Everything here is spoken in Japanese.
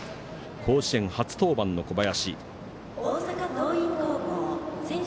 甲子園初登板の小林。